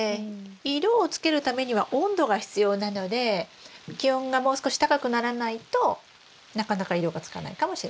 色をつけるためには温度が必要なので気温がもう少し高くならないとなかなか色がつかないかもしれません。